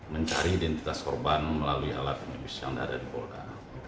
mencari identitas korban melalui alat medis yang ada di polda